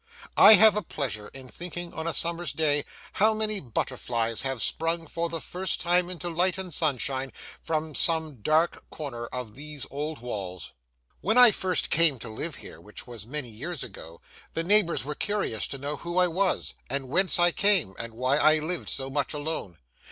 I have a pleasure in thinking on a summer's day how many butterflies have sprung for the first time into light and sunshine from some dark corner of these old walls. When I first came to live here, which was many years ago, the neighbours were curious to know who I was, and whence I came, and why I lived so much alone.